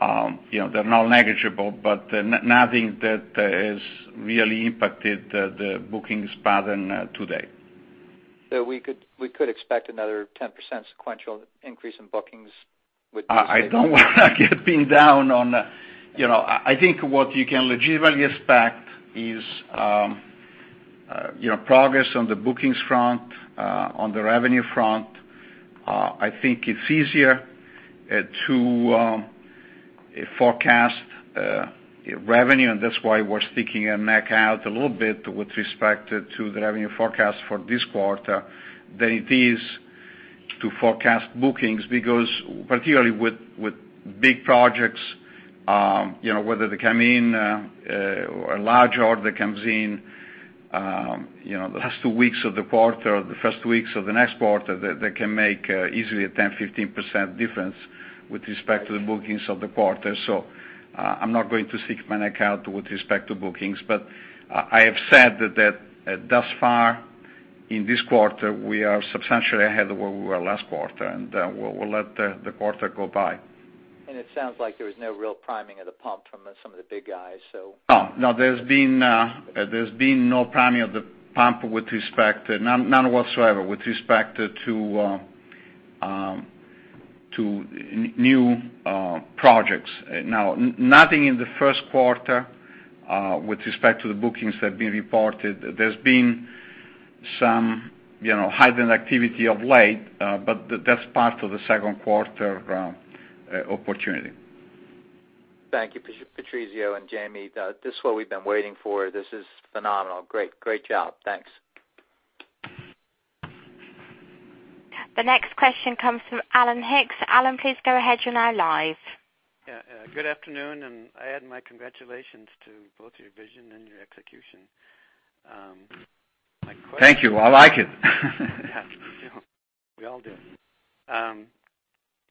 they're not negligible, but nothing that has really impacted the bookings pattern today. We could expect another 10% sequential increase in bookings with this. I don't want to get pinned down on I think what you can legitimately expect is progress on the bookings front, on the revenue front. I think it's easier to forecast revenue, and that's why we're sticking our neck out a little bit with respect to the revenue forecast for this quarter than it is to forecast bookings. Because particularly with big projects, whether they come in, a large order comes in, the last two weeks of the quarter or the first weeks of the next quarter, they can make easily a 10%-15% difference with respect to the bookings of the quarter. I'm not going to stick my neck out with respect to bookings. I have said that thus far in this quarter, we are substantially ahead of where we were last quarter, and we'll let the quarter go by. It sounds like there was no real priming of the pump from some of the big guys. No, there's been no priming of the pump with respect, none whatsoever, with respect to new projects. Nothing in the first quarter with respect to the bookings that have been reported. There's been some heightened activity of late, but that's part of the second quarter opportunity. Thank you, Patrizio and Jamie. This is what we've been waiting for. This is phenomenal. Great job. Thanks. The next question comes from Alan Hicks. Alan, please go ahead. You're now live. Yeah. Good afternoon, I add my congratulations to both your vision and your execution. My question- Thank you. I like it. Yeah. We all do.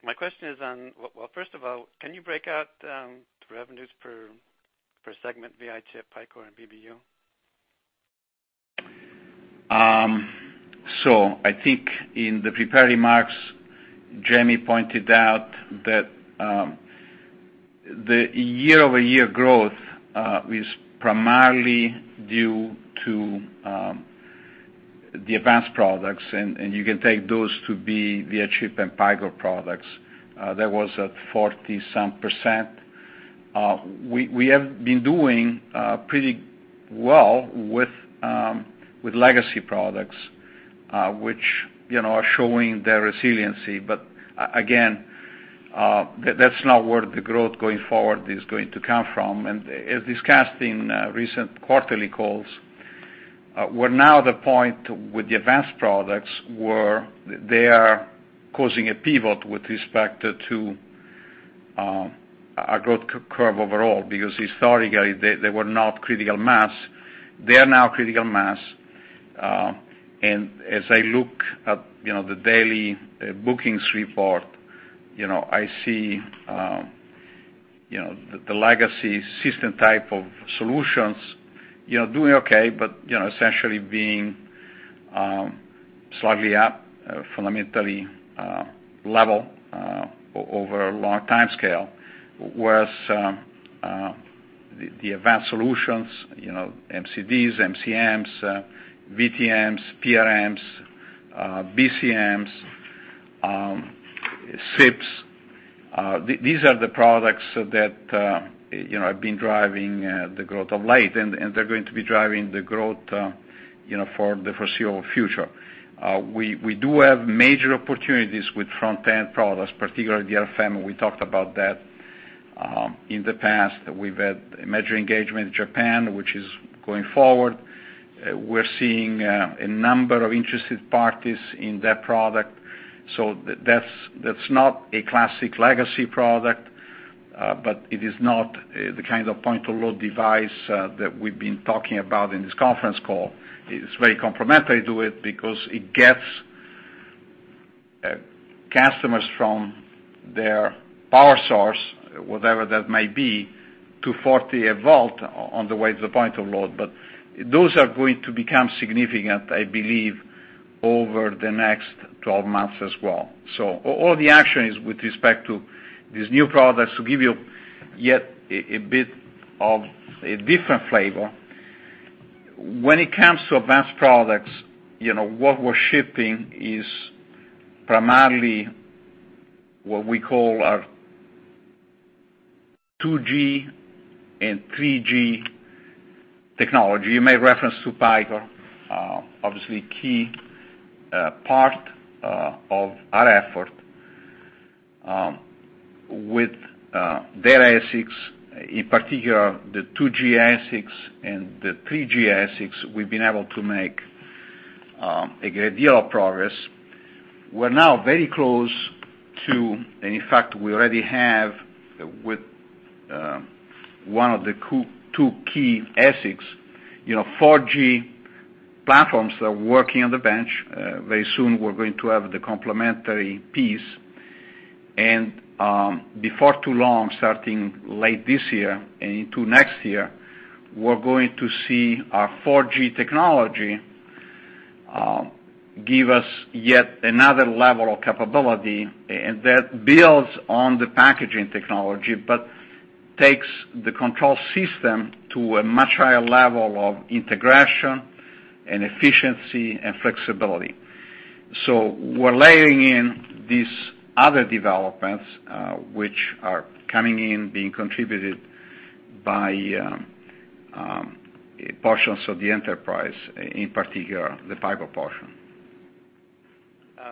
My question is on, well, first of all, can you break out the revenues per segment, VI Chip, Picor, and BBU? I think in the prepared remarks, Jamie pointed out that the year-over-year growth is primarily due to the advanced products, and you can take those to be VI Chip and Picor products. That was at 40-some%. We have been doing pretty well with legacy products, which are showing their resiliency. Again, that's not where the growth going forward is going to come from. As discussed in recent quarterly calls, we're now at the point with the advanced products where they are causing a pivot with respect to our growth curve overall, because historically they were not critical mass. They are now critical mass. As I look at the daily bookings report, I see the legacy system type of solutions doing okay, but essentially being slightly up fundamentally level over a long timescale. Whereas the advanced solutions, MCDs, MCMs, VTMs, PRMs, BCMs, SiP. These are the products that have been driving the growth of late, and they're going to be driving the growth for the foreseeable future. We do have major opportunities with front-end products, particularly RFM. We talked about that in the past. We've had major engagement in Japan, which is going forward. We're seeing a number of interested parties in that product. That's not a classic legacy product, but it is not the kind of point-of-load device that we've been talking about in this conference call. It's very complementary to it because it gets customers from their power source, whatever that may be, to 40V on the way to the point of load. Those are going to become significant, I believe, over the next 12 months as well. All the action is with respect to these new products. To give you yet a bit of a different flavor, when it comes to advanced products, what we're shipping is primarily what we call our 2G and 3G technology. You made reference to Picor, obviously key part of our effort with their ASICs, in particular the 2G ASICs and the 3G ASICs, we've been able to make a great deal of progress. We're now very close to, and in fact, we already have with one of the two key ASICs, 4G platforms that are working on the bench. Very soon we're going to have the complementary piece, and before too long, starting late this year and into next year, we're going to see our 4G technology give us yet another level of capability, and that builds on the packaging technology, but takes the control system to a much higher level of integration and efficiency and flexibility. We're layering in these other developments which are coming in, being contributed by portions of the enterprise, in particular, the Picor portion.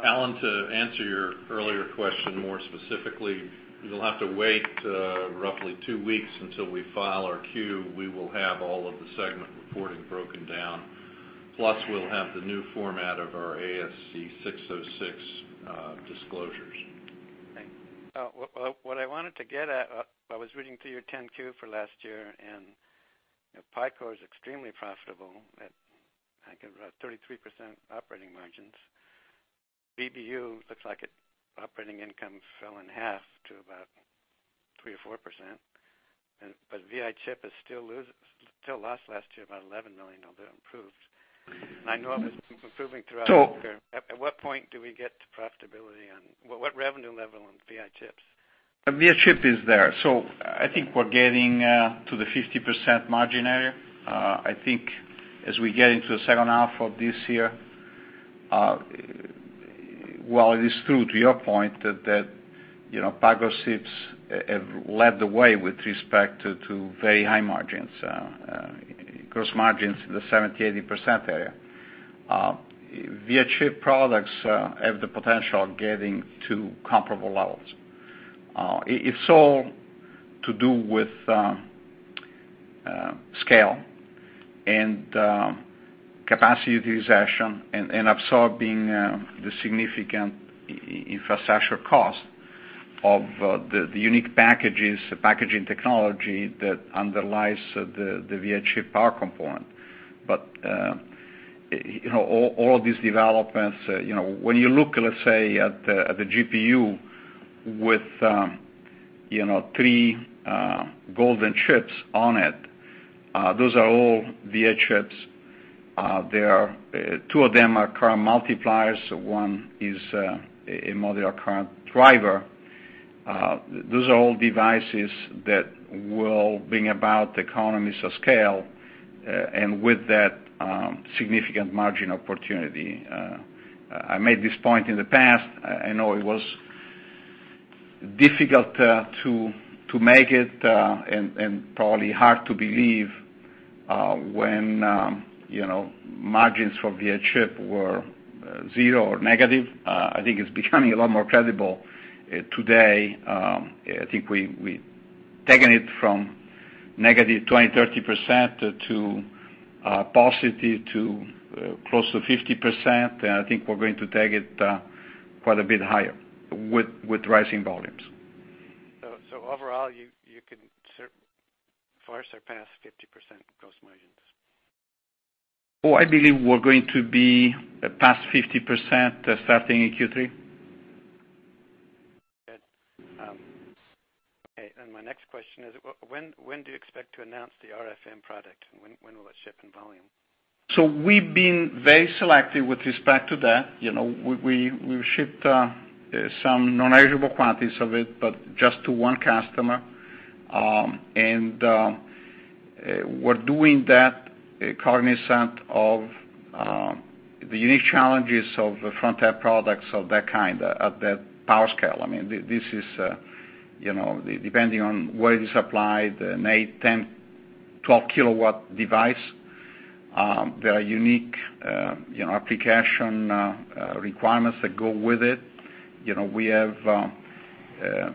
Alan, to answer your earlier question more specifically, you'll have to wait roughly two weeks until we file our Q. We will have all of the segment reporting broken down. We'll have the new format of our ASC 606 disclosures. Thanks. What I wanted to get at, I was reading through your 10-Q for last year, and Picor is extremely profitable at, I think, around 33% operating margins. BBU looks like its operating income fell in half to about 3%-4%. VI Chip still lost last year, about $11 million, although improved. I know it was improving throughout the quarter. At what point do we get to profitability on what revenue level on VI Chips? VI Chip is there. I think we're getting to the 50% margin area. I think as we get into the second half of this year, while it is true to your point that Picor chips have led the way with respect to very high margins, gross margins in the 70%-80% area. VI Chip products have the potential of getting to comparable levels. It's all to do with scale and capacity utilization, and absorbing the significant infrastructure cost of the unique packaging technology that underlies the VI Chip power component. All of these developments, when you look, let's say, at the GPU with three golden chips on it, those are all VI Chips. Two of them are current multipliers. One is a modular current driver. Those are all devices that will bring about economies of scale, and with that, significant margin opportunity. I made this point in the past. I know it was difficult to make it, and probably hard to believe, when margins for VI Chip were zero or negative. I think it's becoming a lot more credible today. I think we've taken it from negative 20%, 30% to positive, to close to 50%, and I think we're going to take it quite a bit higher with rising volumes. Overall, you can far surpass 50% gross margins. I believe we're going to be past 50% starting in Q3. Good. Okay, my next question is, when do you expect to announce the RFM product, and when will it ship in volume? We've been very selective with respect to that. We've shipped some non-negligible quantities of it, but just to one customer. We're doing that cognizant of the unique challenges of the front-end products of that kind, at that power scale. This is, depending on where it is applied, an eight, 10, 12 kilowatt device. There are unique application requirements that go with it. We have a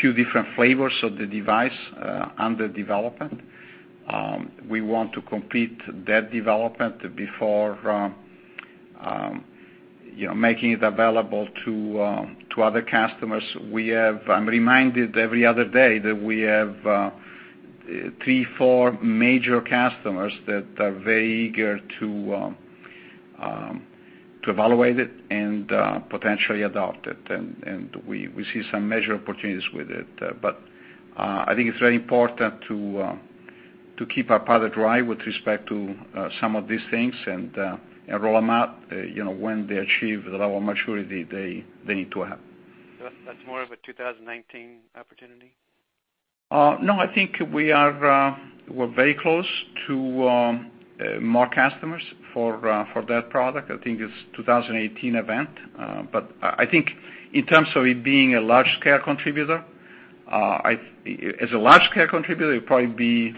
few different flavors of the device under development. We want to complete that development before making it available to other customers. I'm reminded every other day that we have three, four major customers that are very eager to evaluate it and potentially adopt it, and we see some major opportunities with it. I think it's very important to keep our powder dry with respect to some of these things and roll them out when they achieve the level of maturity they need to have. That's more of a 2019 opportunity? I think we're very close to more customers for that product. I think it's a 2018 event. I think in terms of it being a large-scale contributor, as a large-scale contributor, it'll probably be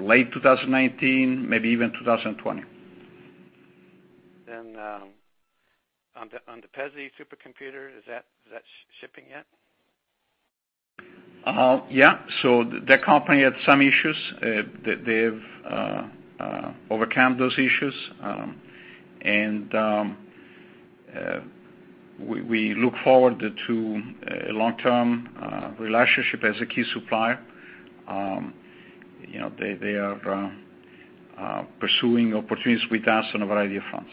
late 2019, maybe even 2020. On the PEZY supercomputer, is that shipping yet? Yeah. That company had some issues. They've overcome those issues. We look forward to a long-term relationship as a key supplier. They are pursuing opportunities with us on a variety of fronts.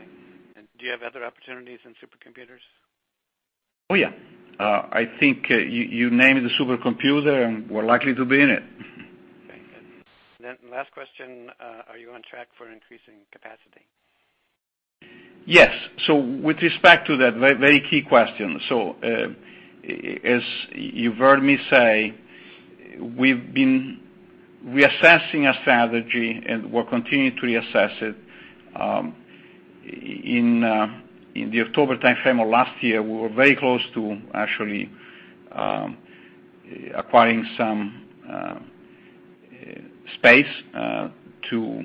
Okay. Do you have other opportunities in supercomputers? Oh, yeah. I think you name the supercomputer, and we're likely to be in it. Okay, last question, are you on track for increasing capacity? Yes. With respect to that, very key question. As you've heard me say, we've been reassessing our strategy, and we're continuing to reassess it. In the October timeframe of last year, we were very close to actually acquiring some space to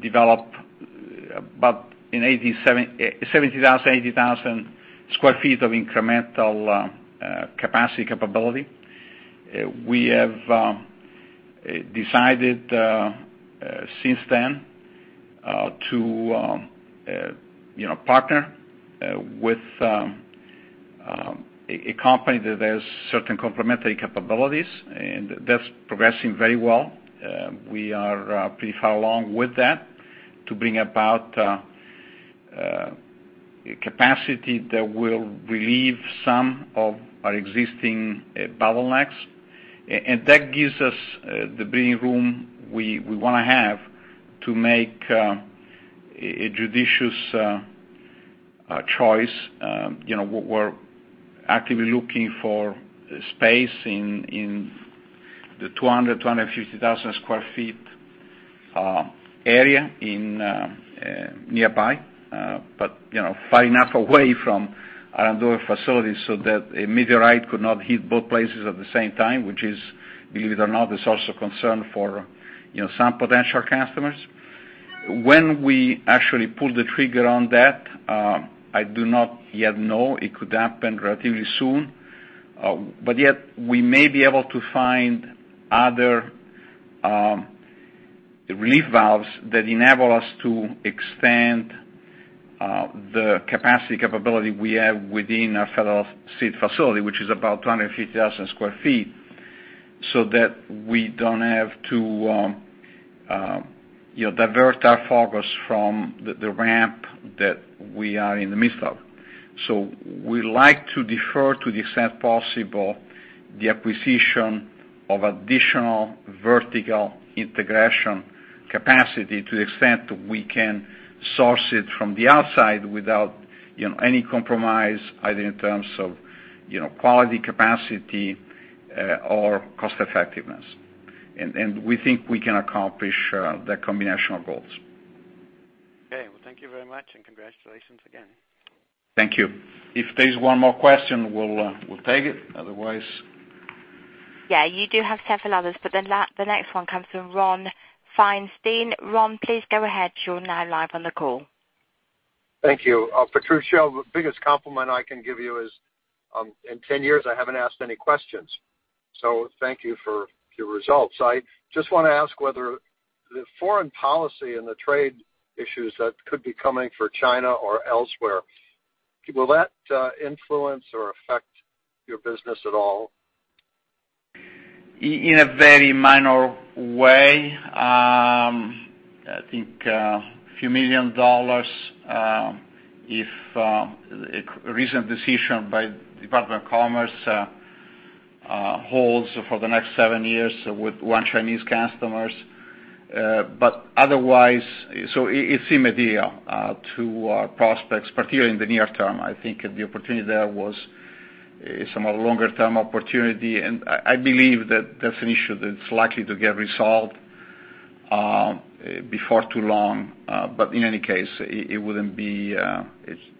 develop about 70,000-80,000 sq ft of incremental capacity capability. We have decided since then to partner with a company that has certain complementary capabilities, and that's progressing very well. We are pretty far along with that to bring about a capacity that will relieve some of our existing bottlenecks. That gives us the breathing room we want to have to make a judicious choice. We're actively looking for space in the 200,000-250,000 sq ft area nearby, but far enough away from our Andover facility so that a meteorite could not hit both places at the same time, which is, believe it or not, is also a concern for some potential customers. When we actually pull the trigger on that, I do not yet know. It could happen relatively soon. Yet, we may be able to find other relief valves that enable us to extend the capacity capability we have within our Federal Street facility, which is about 250,000 sq ft, so that we don't have to divert our focus from the ramp that we are in the midst of. We like to defer to the extent possible the acquisition of additional vertical integration capacity to the extent we can source it from the outside without any compromise, either in terms of quality, capacity, or cost effectiveness. We think we can accomplish that combination of goals. Okay. Well, thank you very much, congratulations again. Thank you. If there's one more question, we'll take it, otherwise You do have several others, but the next one comes from Ron Feinstein. Ron, please go ahead. You're now live on the call. Thank you. Patrizio, the biggest compliment I can give you is, in 10 years, I haven't asked any questions, so thank you for your results. I just want to ask whether the foreign policy and the trade issues that could be coming for China or elsewhere, will that influence or affect your business at all? In a very minor way. I think a few million dollars, if a recent decision by the Department of Commerce holds for the next seven years with one Chinese customer. Otherwise, it's immaterial to our prospects, particularly in the near term. I think the opportunity there was some longer-term opportunity, and I believe that that's an issue that's likely to get resolved before too long. In any case, it wouldn't be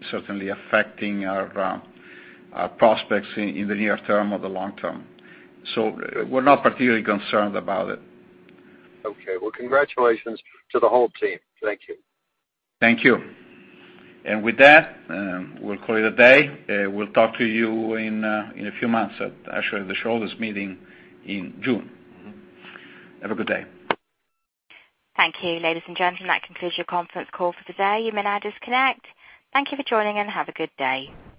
certainly affecting our prospects in the near term or the long term. We're not particularly concerned about it. Okay. Well, congratulations to the whole team. Thank you. Thank you. With that, we'll call it a day. We'll talk to you in a few months at actually the shareholders' meeting in June. Have a good day. Thank you. Ladies and gentlemen, that concludes your conference call for today. You may now disconnect. Thank you for joining, and have a good day.